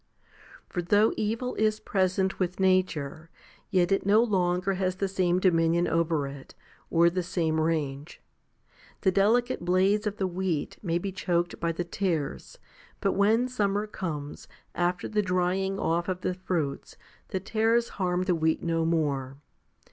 22. For though evil is present with nature, yet it no longer has the same dominion over it, or the same range. The delicate blades of the wheat may be choked by the tares ; but when summer comes, after the drying off of the fruits, the tares harm the wheat no more.